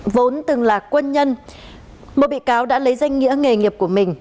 vốn từng là quân nhân một bị cáo đã lấy danh nghĩa nghề nghiệp của mình